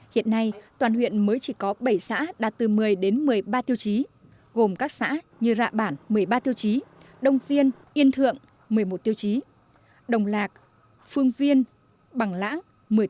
hiện nay toàn huyện mới chỉ có bảy xã đạt từ một mươi đến một mươi ba tiêu chí gồm các xã như rạ bản đông viên đồng lạc bằng lãng